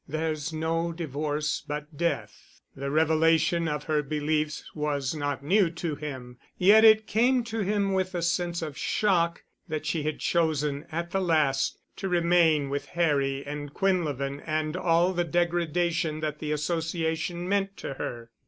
"There's no divorce—but death." The revelation of her beliefs was not new to him, yet it came to him with a sense of shock that she had chosen at the last to remain with Harry and Quinlevin and all the degradation that the association meant to her.